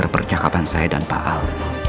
percakapan saya dan pak al